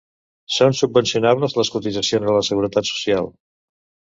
Són subvencionables les cotitzacions a la Seguretat Social.